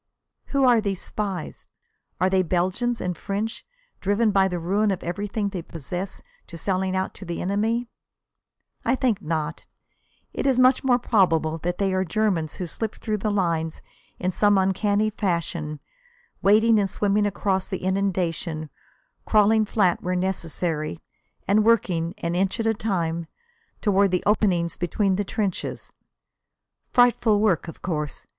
Who are these spies? Are they Belgians and French, driven by the ruin of everything they possess to selling out to the enemy? I think not. It is much more probable that they are Germans who slip through the lines in some uncanny fashion, wading and swimming across the inundation, crawling flat where necessary, and working, an inch at a time, toward the openings between the trenches. Frightful work, of course.